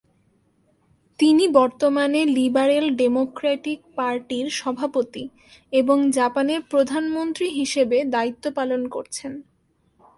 তিনি বর্তমানে Liberal Democratic পার্টির সভাপতি এবং জাপানের প্রধানমন্ত্রী হিসেবে দায়িত্ব পালন করছেন।